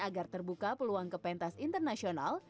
agar terbuka peluang ke pentas internasional